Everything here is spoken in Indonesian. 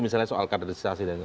misalnya soal kaderisasi